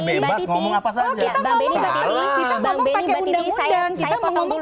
kita mengumpulkan keputusan